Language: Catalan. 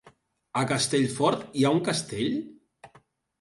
A Castellfort hi ha un castell?